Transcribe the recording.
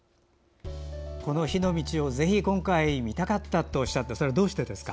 この「火の路」をぜひ見たかったとおっしゃってそれはどうしてですか？